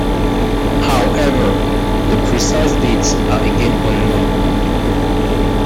However, the precise dates are again unknown.